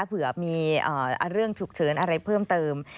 เผื่อมีเรื่องฉุกเฉินอะไรเพิ่มเติม